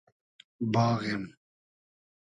باغیم